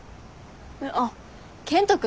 あっ健人君？